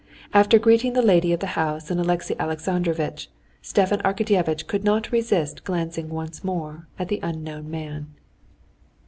After greeting the lady of the house and Alexey Alexandrovitch, Stepan Arkadyevitch could not resist glancing once more at the unknown man.